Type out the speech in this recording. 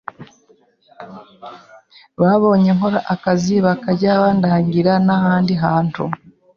Babonye nkora akazi bakajya bandangira n’ahandi hantu